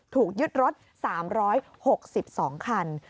ถูกยึดรถ๓๖๒คัน